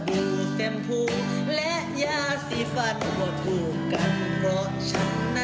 บ่อต้องมาคุ้มกันอาบน้ำเด้อเจ้า